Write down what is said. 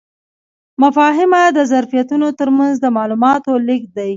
مفاهمه د طرفینو ترمنځ د معلوماتو لیږد دی.